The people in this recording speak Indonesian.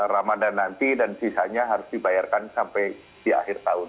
ramadhan nanti dan sisanya harus dibayarkan sampai di akhir tahun